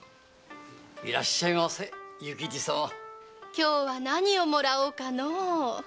今日は何をもらおうかのう。